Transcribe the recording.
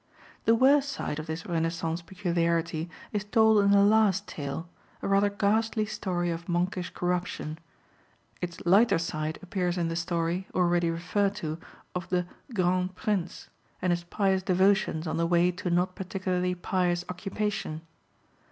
The worse side of this Renaissance peculiarity is told in the last tale, a rather ghastly story of monkish corruption; its lighter side appears in the story, already referred to, of the "Grand Prince" and his pious devotions on the way to not particularly pious occupation.